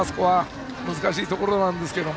難しいところなんですが。